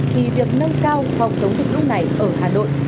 thì việc nâng cao phòng chống dịch lúc này ở hà nội